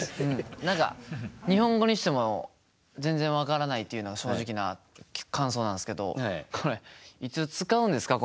何か日本語にしても全然分からないっていうのが正直な感想なんですけどこれいつ使うんですか？